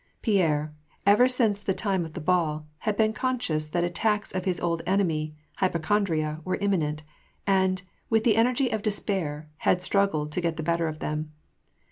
Pierre, ever since the time of the ball, had been conscious that attacks of his old enemy, hypochondria, were imminent ; and, with the energy of despair, he had struggled to get the better of them.